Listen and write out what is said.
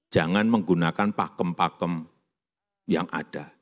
jangan menggunakan pakem pakem yang ada